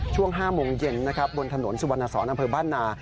ช่วง๕โมงเย็นนะครับบนถนนสุวรรณสอนอำเภอบ้านนา